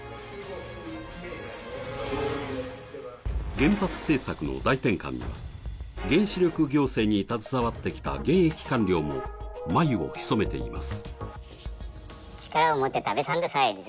原発政策の大転換には原子力行政に携わってきた現役官僚も眉をひそめています。